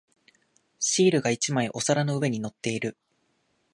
シールが一枚お皿の上に乗っている。